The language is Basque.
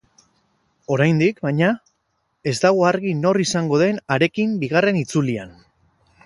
Oraindik, baina, ez dago argi nor izango den harekin bigarren itzulian.